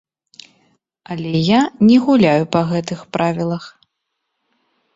Але я не гуляю па гэтых правілах.